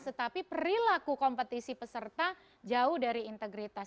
tetapi perilaku kompetisi peserta jauh dari integritas